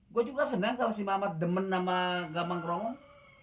gua juga senang kalau si mamat demen sama gabang keromong